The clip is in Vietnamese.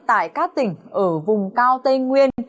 tại các tỉnh ở vùng cao tây nguyên